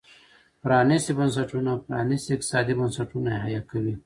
پرانيستي بنسټونه پرانيستي اقتصادي بنسټونه حیه کوي.